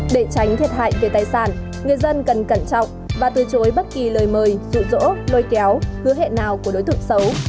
để tránh thiệt hại về tài sản người dân cần cẩn trọng và từ chối bất kỳ lời mời rụ rỗ lôi kéo hứa hẹn nào của đối tượng xấu